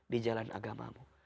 di jalan agamamu